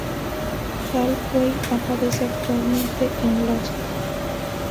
Caldwell aparece actualmente en "Lost".